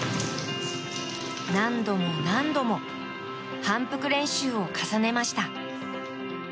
何度も何度も反復練習を重ねました。